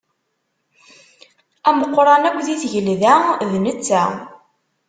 Ameqqran akk di tgelda, d netta.